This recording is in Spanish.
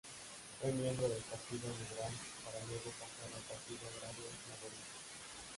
Fue miembro del Partido Liberal, para luego pasar al Partido Agrario Laborista.